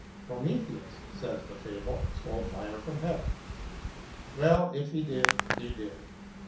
Prometheus, says the fable, stole fire from heaven. Well, if he did, he did.